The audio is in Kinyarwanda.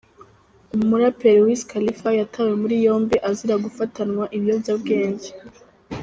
Umuraperi Wiz Khalifa yatawe muri yombi azira gufatanwa ibiyobyabwenge.